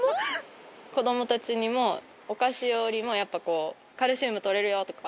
子供たちにもお菓子よりもやっぱこうカルシウム取れるよとか。